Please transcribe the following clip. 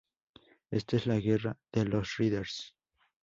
Ésta es la Guerra de los Riders.